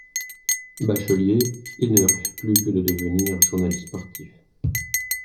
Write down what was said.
Bachelier, il ne rêve plus que de devenir journaliste sportif.